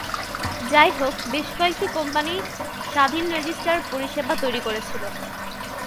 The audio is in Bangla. যাইহোক, বেশ কয়েকটি কোম্পানি স্বাধীন রেজিস্ট্রার পরিষেবা তৈরি করেছিল।